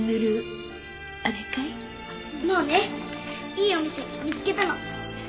真央ねいいお店見つけたの。